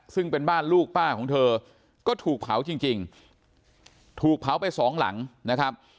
ซึ่งเป็นบ้านลูกป้าของเธอก็ถูกเผาจริงถูกเผาไปสองหลังนะครับ